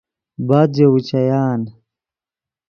بعد ژے اوچیان